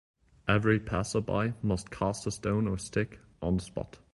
Every passerby must cast a stone or stick on the spot.